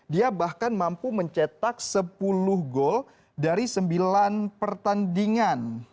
dia bahkan mampu mencetak sepuluh gol dari sembilan pertandingan